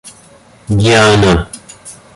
Диана